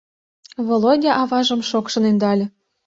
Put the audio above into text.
Володя аважым шокшын ӧндале.